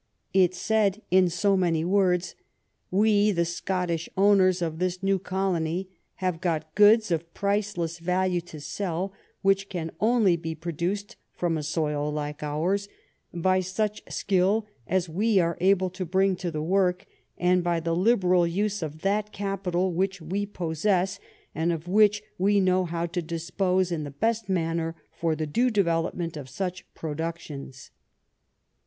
It said in so many words: We, the Scottish owners of this new colony, have got goods of priceless value to sell which can only be produced from a soil like ours, by such skill as we are able to bring to the work, and by the liberal use of that capi tal which we possess, and of which we know how to dispose in the best manner for the due development of such productions.